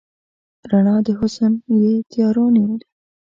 رڼا د حسن یې تیارو نیولې